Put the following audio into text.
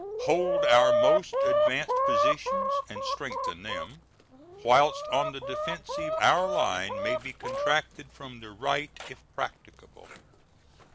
Hold our most advanced positions and strengthen them. Whilst on the defensive our line may be contracted from the right if practicable.